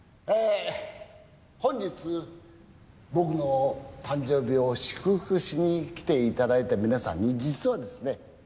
本日僕の誕生日を祝福しに来て頂いた皆さんに実はですね